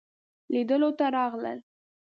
لیدلو ته راغلل.